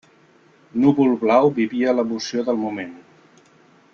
Núvol-Blau vivia l'emoció del moment.